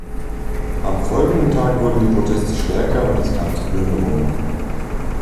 Am folgenden Tag wurden die Proteste stärker und es kam zu Plünderungen.